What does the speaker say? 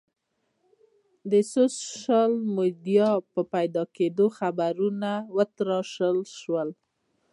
د سوشل میډیا په پیدا کېدو خبرونه وتراشل شول.